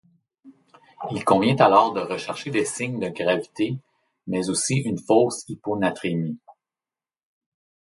Il convient alors de rechercher des signes de gravité, mais aussi une fausse hyponatrémie.